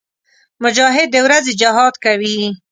مجاهد د ورځې جهاد کوي.